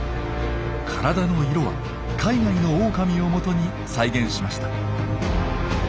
体の色は海外のオオカミをもとに再現しました。